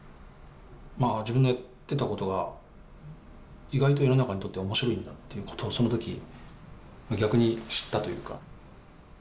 まあ自分がやってたことが意外と世の中にとっては面白いんだっていうことをその時逆に知ったというか。